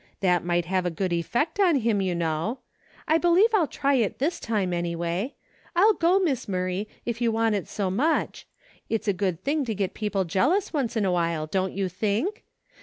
That might have a good effect on him, you know. I believe I'll try it this time any way. I'll go. Miss Murray, if you want it so much. It's a good thing to get people jealous once in a while, don't you think